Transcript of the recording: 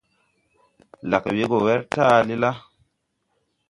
Lag we go wer taale la.